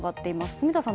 住田さん